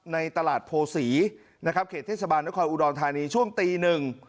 ในตลาดโพศีนะครับเขตเทศบาลนครอุดรธานีช่วงตีหนึ่ง